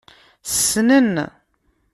Ssnen.